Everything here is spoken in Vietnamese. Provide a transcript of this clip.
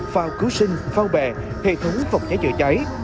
phao cứu sinh phao bè hệ thống vọng cháy chở cháy